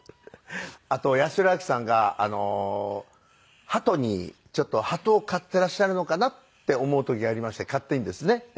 あと八代亜紀さんがハトにちょっとハトを飼っていらっしゃるのかな？って思う時がありまして勝手にですね。